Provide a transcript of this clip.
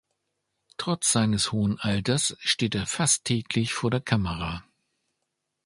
Trotz seines hohen Alters steht er fast täglich vor der Kamera.